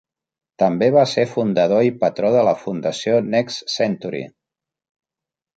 També va ser fundador i patró de la Fundació Next Century.